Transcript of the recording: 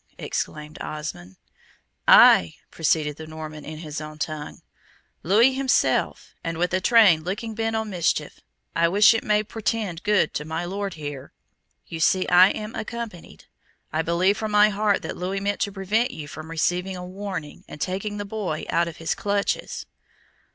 exclaimed Osmond. "Ay!" proceeded the Norman, in his own tongue, "Louis himself, and with a train looking bent on mischief. I wish it may portend good to my Lord here. You see I am accompanied. I believe from my heart that Louis meant to prevent you from receiving a warning, and taking the boy out of his clutches."